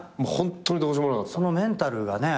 そのメンタルがね